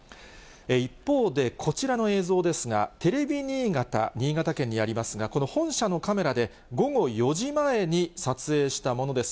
一方で、こちらの映像ですが、テレビ新潟、新潟県にありますが、この本社のカメラで午後４時前に撮影したものです。